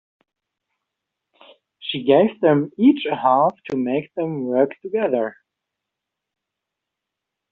She gave them each a half to make them work together.